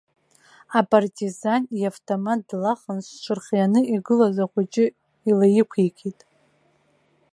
Апартизан иавтомат длахан, зҽырхианы игылаз ахәыҷы илаиқәикит.